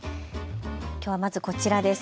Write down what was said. きょうはまずこちらです。